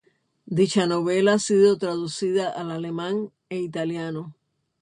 Dicha novela ha sido traducida al alemán e italiano.